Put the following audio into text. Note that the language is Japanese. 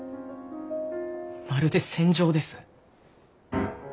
まるで戦場です。